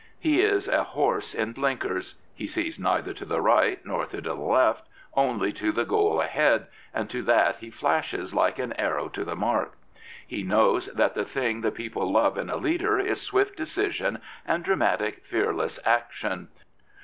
He is a horse in blinkers. He sees neither to the right hand nor to the left, only to the goal ahead, and to that he flashes like an arrow to the mark. He knows that the thing the people love in a leader is swift decision and dramatic, fearless action.